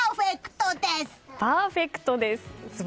パーフェクトです！